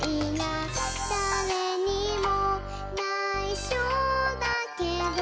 「だれにもないしょだけど」